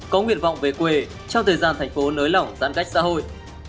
có nguyện vọng về quê trong thời gian thành phố nới lỏng giãn cách xã hội